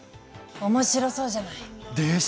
面白そうじゃない！でしょう？